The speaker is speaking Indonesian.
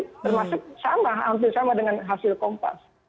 termasuk sama hampir sama dengan hasil kompas